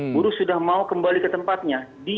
buruh sudah mau kembali ke tempatnya